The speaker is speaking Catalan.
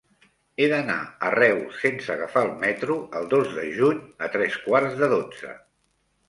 He d'anar a Reus sense agafar el metro el dos de juny a tres quarts de dotze.